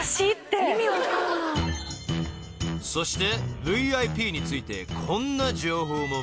［そしてＶＩＰについてこんな情報も］